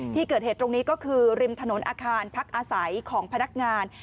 ที่เกิดเหตุตรงนี้ก็คือริมถนนอาคารพักอาศัยของพนักงาน